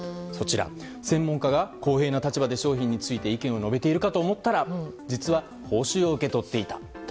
専門家が公平な立場で商品について意見を述べているかと思ったら実は報酬を受け取っていたと。